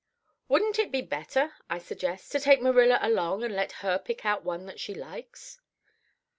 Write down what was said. "'Wouldn't it be better,' I suggests, 'to take Marilla along and let her pick out one that she likes?